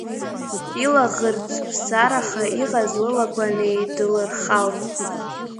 Илаӷырӡԥсараха иҟаз лылақәа неидлырхалт.